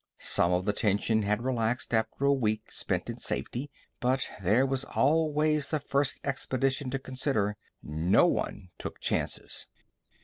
Some of the tension had relaxed after a week spent in safety, but there was always the first expedition to consider; no one took chances.